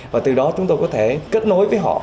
và từ đó chúng tôi có thể kết nối với họ